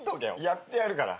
やってやるから。